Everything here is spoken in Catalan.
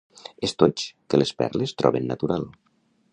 Estoig que les perles troben natural.